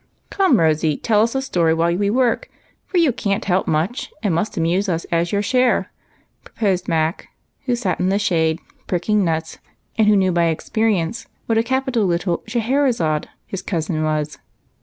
" Come, Rosy, tell us a story while we work, for you can't help much, and must amuse us as your share," proposed Mac, who sat in the shade pricking nuts, and who knew by ex23erience what a capital little Scheher azade his cousin was.